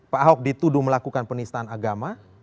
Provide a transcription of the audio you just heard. pak ahok dituduh melakukan penistaan agama